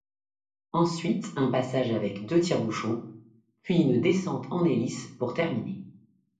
Ensuite un passage avec deux tire-bouchons puis une descente en hélice pour terminer.